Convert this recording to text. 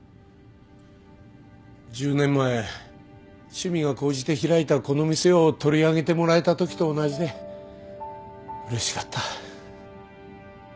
１０年前趣味が高じて開いたこの店を取り上げてもらえたときと同じでうれしかった。